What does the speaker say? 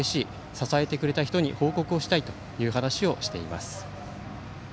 支えてくれた人に報告をしたいという話をしています。